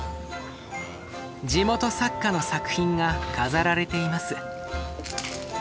地元作家の作品が飾られています。